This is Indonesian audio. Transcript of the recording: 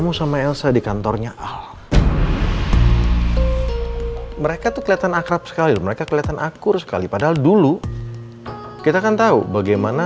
mungkin karena sekucuk pisul dengan wadih